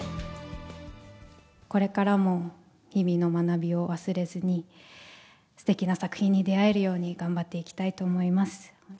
これからも日々の学びを忘れずに、すてきな作品に出会えるように頑張っていきたいと思います。